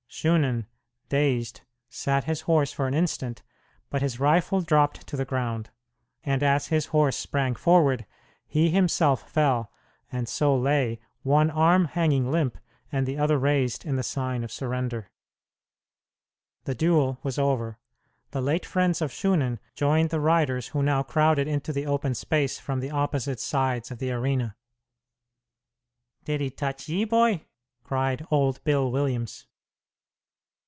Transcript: Shunan, dazed, sat his horse for an instant, but his rifle dropped to the ground; and as his horse sprang forward, he himself fell, and so lay, one arm hanging limp and the other raised in the sign of surrender. The duel was over. The late friends of Shunan joined the riders who now crowded into the open space from the opposite sides of the arena. "Did he touch ye, boy?" cried old Bill Williams.